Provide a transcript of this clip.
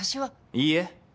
いいえ。